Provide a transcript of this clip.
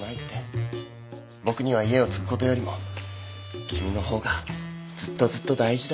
僕には家を継ぐことよりも君の方がずっとずっと大事だ。